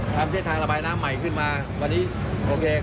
เส้นทางระบายน้ำใหม่ขึ้นมาวันนี้โอเค